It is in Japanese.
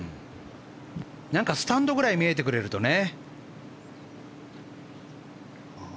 スタンドぐらい見えてくれるとね。